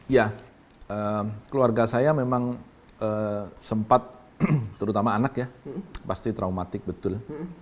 ya keluarga saya memang sempat terutama anak ya pasti traumatik betul